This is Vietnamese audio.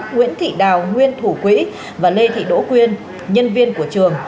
nguyễn thị đào nguyên thủ quỹ và lê thị đỗ quyên nhân viên của trường